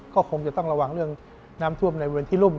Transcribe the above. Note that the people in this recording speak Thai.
ก็คงจะต้องระวังเรื่องน้ำท่วมในบริเวณที่รุ่ม